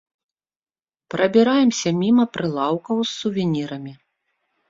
Прабіраемся міма прылаўкаў з сувенірамі.